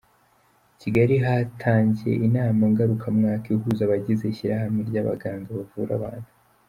Kigali hatangiye inama ngarukamwaka ihuza abagize ishyirahamwe ry’abaganga bavura abana.